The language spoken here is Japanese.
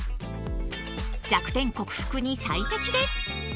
弱点克服に最適です！